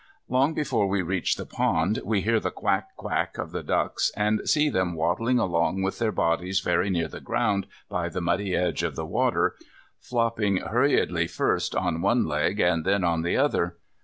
Long before we reach the pond, we hear the quaack, quaack of the ducks, and see them waddling along with their bodies very near the ground by the muddy edges of the water, flopping hurriedly first on one leg and then on the other.